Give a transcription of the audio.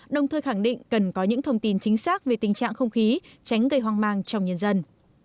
đồng thời khẳng định cần có những thông tin chính xác về tình trạng không khí tránh gây hoang mang trong nhân dân